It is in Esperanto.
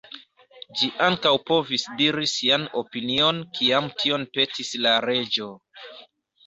Ĝi ankaŭ povis diri sian opinion kiam tion petis la reĝo.